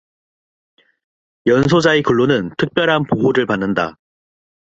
연소자의 근로는 특별한 보호를 받는다.